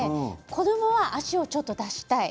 子どもは足をちょっと出したい